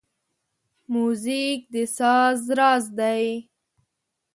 موزیک د ساز راز دی.